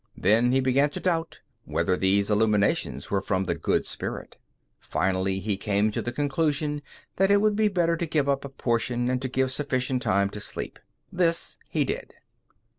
Then he began to doubt whether these illuminations were from the Good Spirit. Finally he came to the conclusion that it would be better to give up a portion and to give sufficient time to sleep. This he did.